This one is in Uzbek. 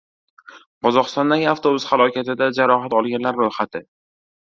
Qozog‘istondagi avtobus halokatida jarohat olganlar ro‘yxati